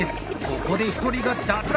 ここで１人が脱落。